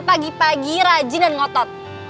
pagi pagi rajin dan ngotot